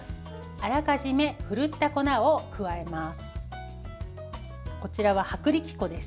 あらかじめふるった粉を加えます。